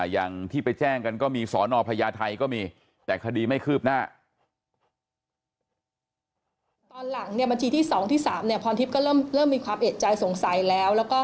อย่างที่ไปแจ้งกันก็มีสอนอพญาไทยก็มีแต่คดีไม่คืบหน้า